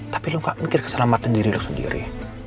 tapi lo nggak mikir keselamatan diri lo sendiri